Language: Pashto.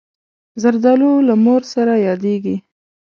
زردالو له مور سره یادېږي.